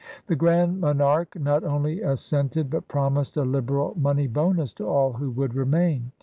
The Grand Monarque not only assented but promised a liberal money bonus to all who would remain.